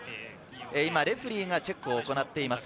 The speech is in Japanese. レフェリーがチェックを行っています。